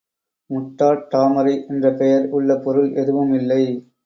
முட்டாட்டாமரை என்ற பெயர் உள்ள பொருள் எதுவும் இல்லை.